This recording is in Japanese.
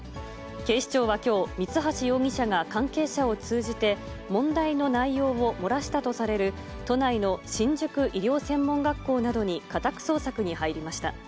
警視庁はきょう、三橋容疑者が関係者を通じて、問題の内容を漏らしたとされる、都内の新宿医療専門学校などに家宅捜索に入りました。